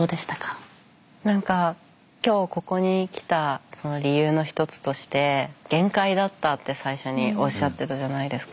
何か今日ここに来た理由の一つとして「限界だった」って最初におっしゃってたじゃないですか。